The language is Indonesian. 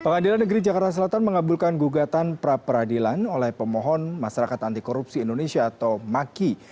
pengadilan negeri jakarta selatan mengabulkan gugatan pra peradilan oleh pemohon masyarakat anti korupsi indonesia atau maki